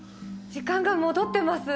時間が戻ってます。